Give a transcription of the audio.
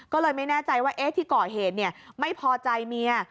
ก็เลยไม่แน่ใจว่าที่ก่อเหตุไม่พอใจเมีย